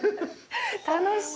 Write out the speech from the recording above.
楽しい！